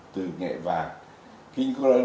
từ nghệ bản từ hln khoa học việt nam